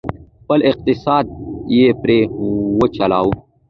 خپل اقتصاد یې پرې وچلوه،